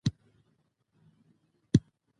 هغه پرېکړې چې عادلانه وي د مخالفت کچه راکموي